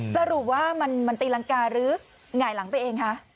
สรุปว่ามันตีรังกาหรือหงายหลังไปเองคะ